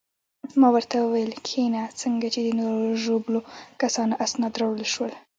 ما ورته وویل: کښېنه، څنګه چې د نورو ژوبلو کسانو اسناد راوړل شول.